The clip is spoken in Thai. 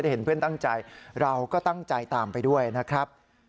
เห็นเพื่อนตั้งใจเราก็ตั้งใจตามไปด้วยนะครับ